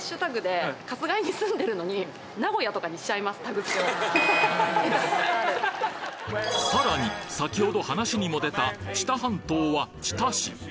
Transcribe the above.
木さんのホームさらに先ほど話にも出た知多半島は知多市